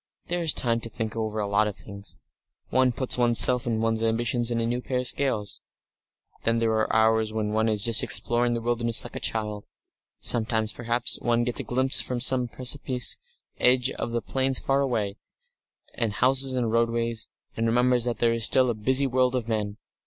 "There is time to think over a lot of things. One puts one's self and one's ambition in a new pair of scales.... "Then there are hours when one is just exploring the wilderness like a child. Sometimes perhaps one gets a glimpse from some precipice edge of the plains far away, and houses and roadways, and remembers there is still a busy world of men.